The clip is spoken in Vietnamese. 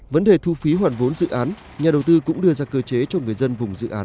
vấn đề thu phí hoàn vốn dự án nhà đầu tư cũng đưa ra cơ chế cho người dân vùng dự án